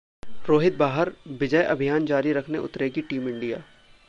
रोहित बाहर, 'विजय' अभियान जारी रखने उतरेगी टीम इंडिया